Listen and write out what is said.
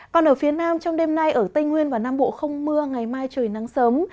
còn ở phía nam trong đêm nay ở tây nguyên và nam bộ không mưa ngày mai trời nắng sớm